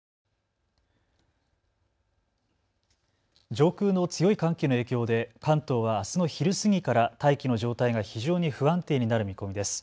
上空の強い寒気の影響で関東はあすの昼過ぎから大気の状態が非常に不安定になる見込みです。